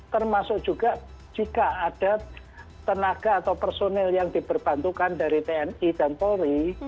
termasuk juga jika ada tenaga atau personil yang diperbantukan dari tni dan polri